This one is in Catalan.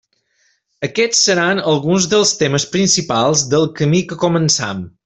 Aquests seran alguns dels temes principals del camí que comencem.